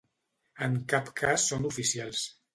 En cap cas són oficials.